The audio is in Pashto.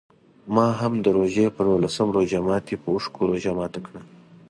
ما هم د روژې په نولسم روژه ماتي په اوښکو روژه ماته کړه.